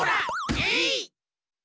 えい！